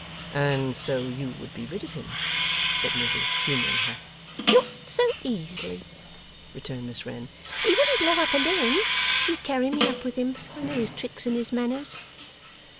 'And so you would be rid of him,' said Lizzie, humouring her. 'Not so easily,' returned Miss Wren. 'He wouldn't blow up alone. He'd carry me up with him. I know his tricks and his manners.